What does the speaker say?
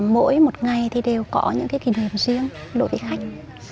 mỗi một ngày thì đều có những kỷ niệm riêng đối với khách